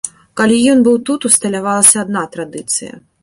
Калі ён быў тут, усталявалася адна традыцыя.